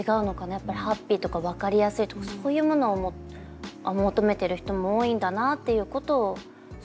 やっぱりハッピーとか分かりやすいとかそういうものを求めてる人も多いんだなっていうことをすごい感じました。